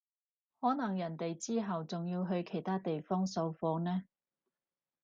可能人哋之後仲要去其他地方掃貨呢